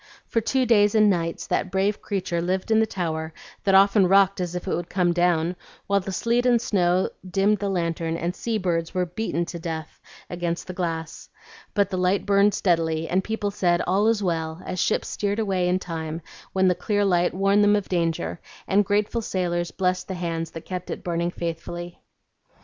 For two days and nights that brave creature lived in the tower, that often rocked as if it would come down, while the sleet and snow dimmed the lantern, and sea birds were beaten to death against the glass. But the light burned steadily, and people said, 'All is well,' as ships steered away in time, when the clear light warned them of danger, and grateful sailors blessed the hands that kept it burning faithfully."